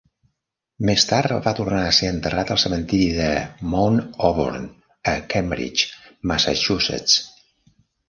Més tard, va tornar a ser enterrat al cementiri de Mount Auburn a Cambridge, Massachusetts.